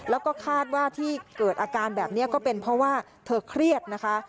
แล้วก็คาดว่าที่เกิดอาการแบบนี้ก็เป็นเพราะว่าเธอเครียดนะคะ